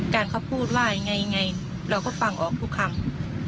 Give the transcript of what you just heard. การเขาพูดว่ายังไงเราก็ฟังออกทุกคำ